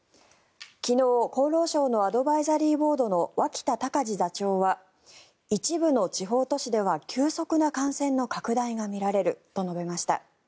昨日、厚労省のアドバイザリーボードの脇田隆字座長は一部の地方都市では急速な感染拡大が見られると述べました。